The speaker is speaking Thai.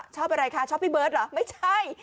ชอบอะไรคะชอบพี่เบิร์ตเหรอไม่ใช่